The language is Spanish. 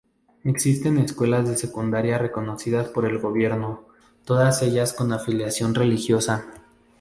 Existen escuelas de secundaria reconocidas por el gobierno, todas ellas con afiliación religiosa.